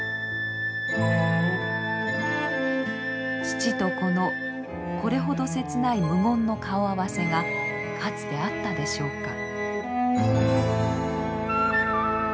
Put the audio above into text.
父と子のこれほど切ない無言の顔合わせがかつてあったでしょうか。